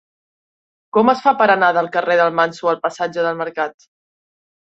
Com es fa per anar del carrer de Manso al passatge del Mercat?